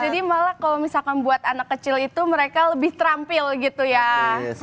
jadi malah kalau misalkan buat anak kecil itu mereka lebih terampil gitu ya